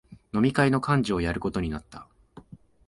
飲み会の幹事をやることになった